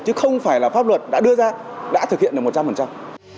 chứ không phải là pháp luật đã đưa ra đã thực hiện được một trăm linh